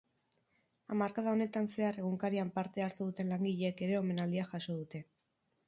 Hamarkada honetan zehar egunkarian parte hartu duten langileek ere omenaldia jaso dute.